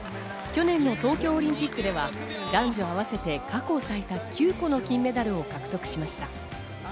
去年の東京オリンピックでは男女合わせて過去最多９個の金メダルを獲得しました。